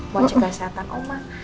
mau cek kesehatan oma